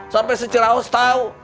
sampai secara austau